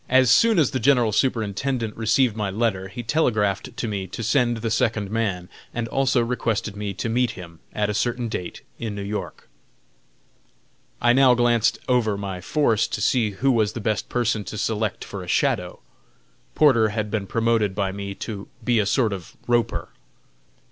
As soon as the General Superintendent received my letter he telegraphed to me to send the second man, and also requested me to meet him, at a certain date, in New York. I now glanced over my force to see who was the best person to select for a "shadow". Porter had been promoted by me to be a sort of "roper".